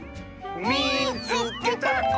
「みいつけた！」。